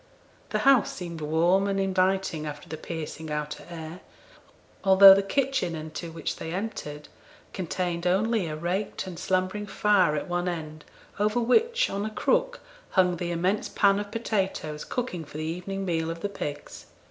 The house seemed warm and inviting after the piercing outer air, although the kitchen into which they entered contained only a raked and slumbering fire at one end, over which, on a crook, hung the immense pan of potatoes cooking for the evening meal of the pigs.